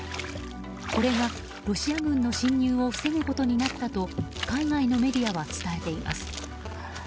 これがロシア軍の侵入を防ぐことになったと海外のメディアは伝えています。